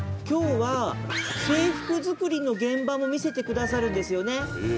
今日は制服作りの現場も見せてくださるんですよね？